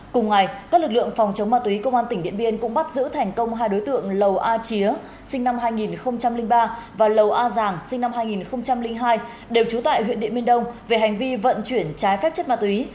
cùng ngày các lực lượng phòng chống ma túy công an tỉnh điện biên cũng bắt giữ thành công hai đối tượng lầu a chía sinh năm hai nghìn ba và lầu a giàng sinh năm hai nghìn hai đều trú tại huyện điện biên đông về hành vi vận chuyển trái phép chất ma túy